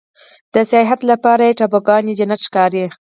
د سیاحت لپاره یې ټاپوګان جنت ښکاري.